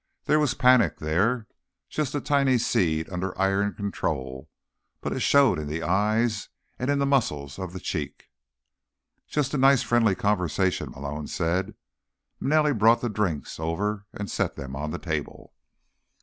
There was panic there, just a tiny seed under iron control, but it showed in the eyes and in the muscles of the cheek. "Just a nice, friendly conversation," Malone said. Manelli brought the drinks over and set them on the table.